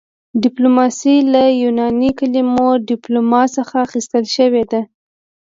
ډیپلوماسي له یوناني کلمې ډیپلوما څخه اخیستل شوې ده